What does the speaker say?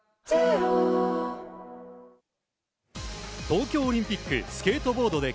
東京オリンピックスケートボードで